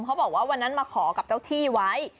เขาบอกว่าวันนั้นมาขอกับเจ้าที่ไว้